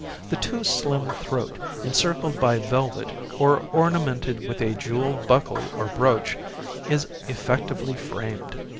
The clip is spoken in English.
The too slim throat encircled by velvet or ornamented with a jewelled buckle or brooch is effectively framed.